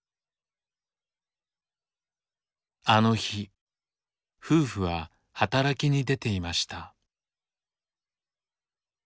あの日夫婦は働きに出ていました。